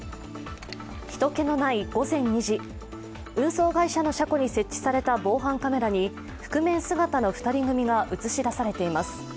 人けのない午前２時運送会社の車庫に設置された防犯カメラに覆面姿の２人組が映し出されています。